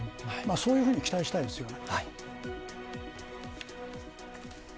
そういうふうに期待したいですね。